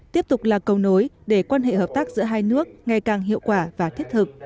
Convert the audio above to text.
tiếp tục là cầu nối để quan hệ hợp tác giữa hai nước ngày càng hiệu quả và thiết thực